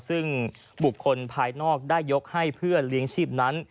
ซึ่งบุคคลภายนอกได้ยกให้เพื่อเลี้ยงชีพนั้น